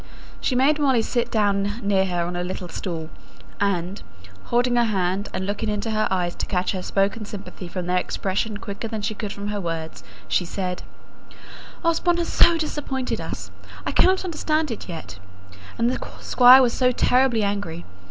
She made Molly sit down near her on a little stool, and, holding her hand, and looking into her eyes to catch her spoken sympathy from their expression quicker than she could from her words, she said, "Osborne has so disappointed us! I cannot understand it yet. And the Squire was so terribly angry!